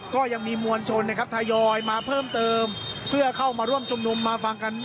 ก็ยังมีมวลชนนะครับทยอยมาเพิ่มเติมเพื่อเข้ามาร่วมชุมนุมมาฟังกัน